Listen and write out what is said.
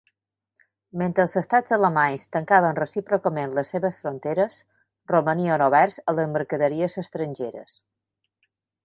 Mentre els Estats alemanys tancaven recíprocament les seves fronteres, romanien oberts a les mercaderies estrangeres.